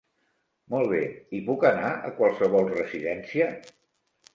Molt bé, i puc anar a qualsevol residència?